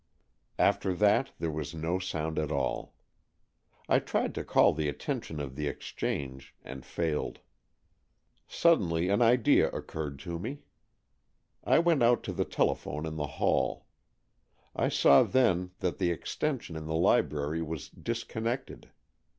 After that there was no sound at all. I tried to call the attention of the exchange and failed. Suddenly an idea occurred to me. I went out to the tele 240 AN EXCHANGE OF SOULS phone in the hall. I saw then that the extension in the library was disconnected.